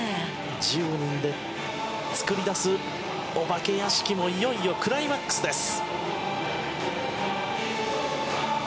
１０人で作り出す「お化け屋敷」もいよいよクライマックスです。